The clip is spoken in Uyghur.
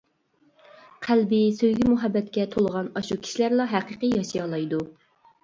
قەلبى سۆيگۈ-مۇھەببەتكە تولغان ئاشۇ كىشىلەرلا ھەقىقىي ياشىيالايدۇ.